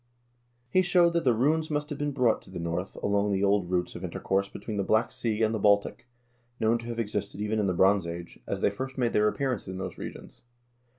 He showed that the runes must have been brought to the North along the old routes of intercourse between the Black Sea and the Baltic, known to have existed even in the Bronze Age, as they first made their appearance in those regions.